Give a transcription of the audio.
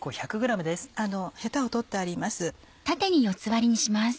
ヘタを取ってあります。